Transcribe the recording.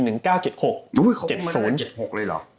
อุ้ยเขาก็มาตั้งแต่๑๙๗๖เลยเหรอ